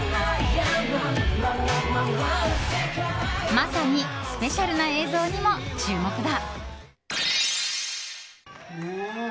まさにスペシャルな映像にも注目だ。